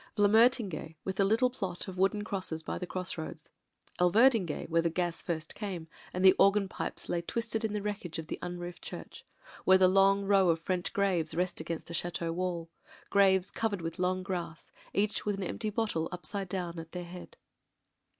... Vlamertinghe, with the little plot of wooden crosses by the cross roads; Elverdinghe, where the gas first came, and the organ pipes lay twisted in the wreckage of the unroofed church ; where the long row of French graves rest against the chateau wall, graves covered with long grass— each with an empty bottle upside down at their head.